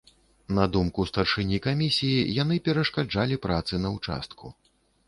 На думку старшыні камісіі, яны перашкаджалі працы на участку.